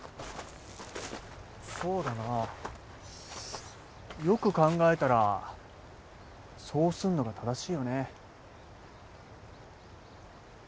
そうだなぁよく考えたらそうすんのが正しいよね。